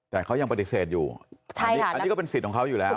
แต่เขายังปฏิเสธอยู่อันนี้ก็เป็นสิทธิ์ของเขาอยู่แล้ว